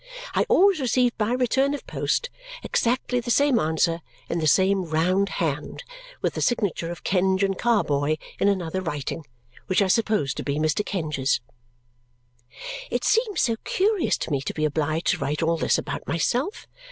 I always received by return of post exactly the same answer in the same round hand, with the signature of Kenge and Carboy in another writing, which I supposed to be Mr. Kenge's. It seems so curious to me to be obliged to write all this about myself!